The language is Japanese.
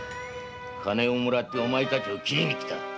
金をもらってお前たちを斬りに来た。